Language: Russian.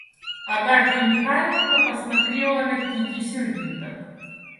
Агафья Михайловна посмотрела на Кити сердито.